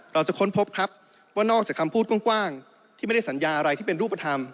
ค้นพบครับว่านอกจากคำพูดกว้างที่ไม่ได้สัญญาอะไรที่เป็นรูปธรรม